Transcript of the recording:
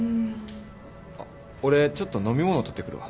あっ俺ちょっと飲み物取ってくるわ。